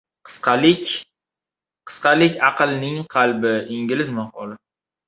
Qisqalik — aqlning qalbi. Ingliz maqoli